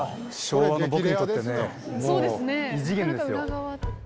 昭和の僕にとってねもう異次元ですよ。